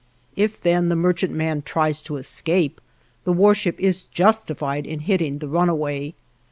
If then the merchantman tries to escape, the warship is justified in hitting the runaway.